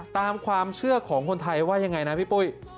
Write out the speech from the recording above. ตามความเชื่อของคนไทยว่ายังไงนะพี่ปุ้ย